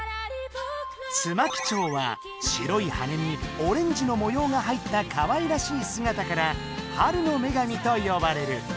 「ツマキチョウ」は白い羽にオレンジの模様が入ったかわいらしい姿から「春の女神」と呼ばれる。